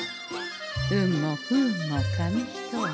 運も不運も紙一重。